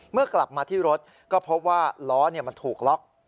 เมื่อกลับมาที่รถก็พบว่าล้อมันถูกล็อก